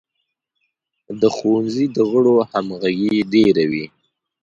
د ښوونځي د غړو همغږي ډیره وي.